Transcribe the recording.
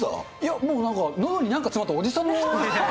僕、なんか、のどになんか詰まったおじさんの。